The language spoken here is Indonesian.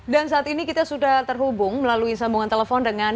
dan saat ini kita sudah terhubung melalui sambungan telepon dengan